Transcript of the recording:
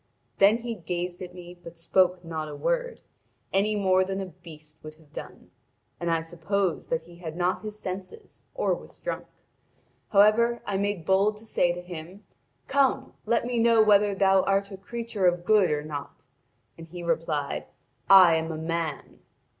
Then he gazed at me but spoke not a word, any more than a beast would have done. And I supposed that he had not his senses or was drunk. However, I made bold to say to him: 'Come, let me know whether thou art a creature of good or not.' And he replied: 'I am a man.'